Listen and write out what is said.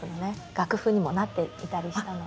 楽譜にもなっていたりしたので